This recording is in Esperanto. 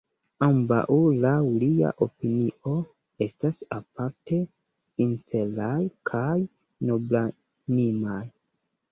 Ambaŭ, laŭ lia opinio, estas aparte sinceraj kaj noblanimaj.